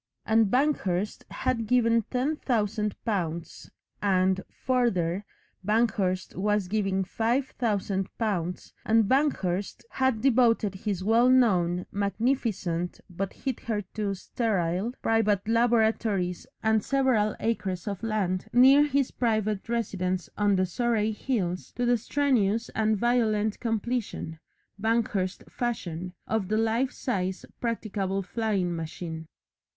And Banghurst had given ten thousand pounds, and, further, Banghurst was giving five thousand pounds, and Banghurst had devoted his well known, magnificent (but hitherto sterile) private laboratories and several acres of land near his private residence on the Surrey hills to the strenuous and violent completion Banghurst fashion of the life size practicable flying machine.